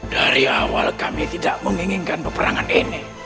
dari awal kami tidak menginginkan peperangan ini